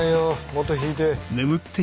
もっと引いて。